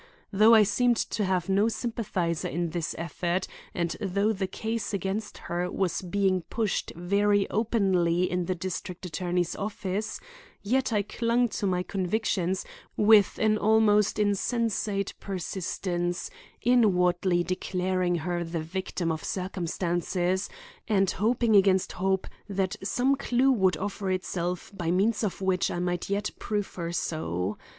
Though I seemed to have no sympathizer in this effort and though the case against her was being pushed very openly in the district attorney's office, yet I clung to my convictions with an almost insensate persistence, inwardly declaring her the victim of circumstances, and hoping against hope that some clue would offer itself by means of which I might yet prove her so.